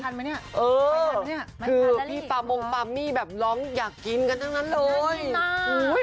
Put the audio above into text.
คือพี่ปามงปามี่แบบร้องอยากกินกันทั้งนั้นเลย